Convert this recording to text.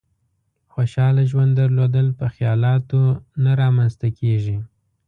خوشحاله ژوند درلودل په خيالاتو نه رامېنځ ته کېږي.